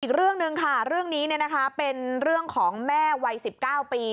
อีกเรื่องหนึ่งค่ะเรื่องนี้เป็นเรื่องของแม่วัย๑๙ปี